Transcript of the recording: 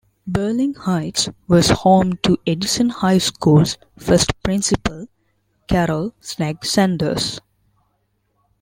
Berlin Heights was home to Edison High School's first principal Carroll "Snag" Sanders.